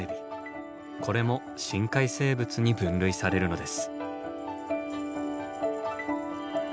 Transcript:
これも深海生物に分類されるのです。